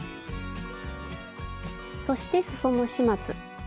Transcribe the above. そしてすその始末。